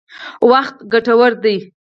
وخت ګټور دی.